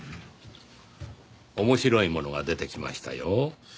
面白いものが出てきましたよ。